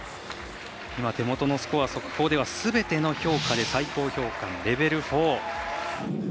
手元のスコア、速報ではすべての評価で最高評価レベル４。